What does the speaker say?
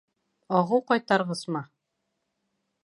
Ағыу ҡайтарғыс мы?